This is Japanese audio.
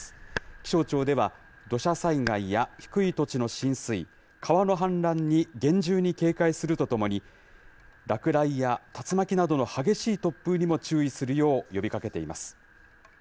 気象庁では、土砂災害や低い土地の浸水、川の氾濫に厳重に警戒するとともに、落雷や竜巻などの激しい突風にも注意するよう呼びかけています。